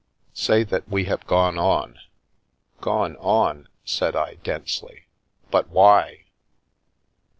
" Say that we have gone on." "Gone on?" said I, densely, "but why?"